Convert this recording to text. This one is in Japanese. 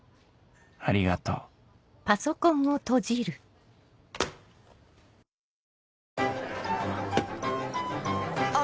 ありがとうあー